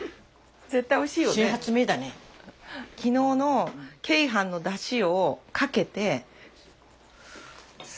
昨日の鶏飯のだしをかけて。